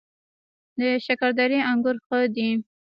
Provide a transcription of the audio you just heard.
د شکردرې انګور ښه دي